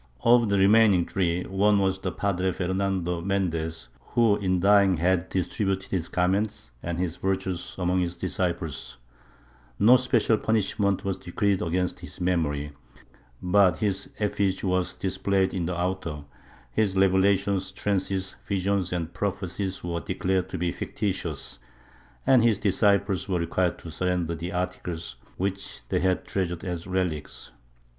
Of the remaining three, one was the Padre Fernando Mendez, who in dying had distributed his garments and his virtues among his disciples ; no special punishment was decreed against his memory, but his effigy was displayed in the auto, his revelations, trances, visions and prophecies were declared to be fictitious, and his dis ciples were required to surrender the articles which they had treasiu ed as relics.